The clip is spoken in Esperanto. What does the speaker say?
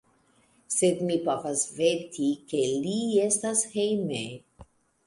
Sed mi povas veti, ke li estas hejme.